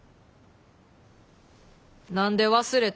何で忘れた？